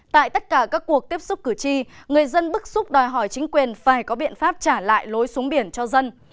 tại tất cả các cuộc tiếp xúc cử tri người dân bức xúc đòi hỏi chính quyền phải có biện pháp trả lại lối xuống biển cho dân